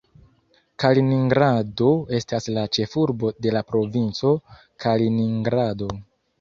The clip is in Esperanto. Kaliningrado estas la ĉefurbo de la provinco Kaliningrado.